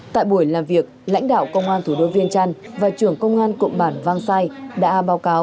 tại buổi làm việc lãnh đạo công an thủ đô viên trăn và trưởng công an cụm bản văng sai đã báo cáo